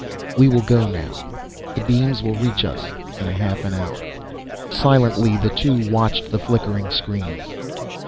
We will go now. The beams will reach us in half an hour." Silently, the two watched the flickering screens.